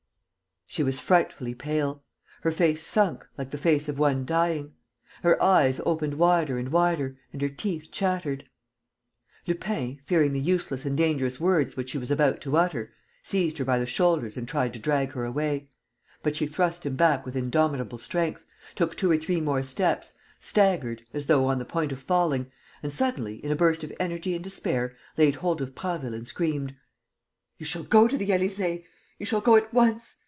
She was frightfully pale, her face sunk, like the face of one dying. Her eyes opened wider and wider and her teeth chattered.... Lupin, fearing the useless and dangerous words which she was about to utter, seized her by the shoulders and tried to drag her away. But she thrust him back with indomitable strength, took two or three more steps, staggered, as though on the point of falling, and, suddenly, in a burst of energy and despair, laid hold of Prasville and screamed: "You shall go to the Élysée!... You shall go at once!...